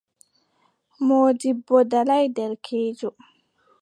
Moodibbo ɗalaay derkeejo.